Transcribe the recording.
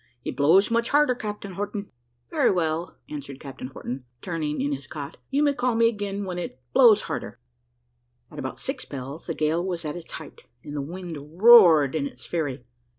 "It blows much harder, Captain Horton." "Very well," answered Captain Horton, turning in his cot; "you may call me again when it blows harder." At about six bells the gale was at its height, and the wind roared in its fury.